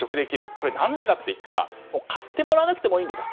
これは何でかといったら買ってもらわなくてもいいんだと。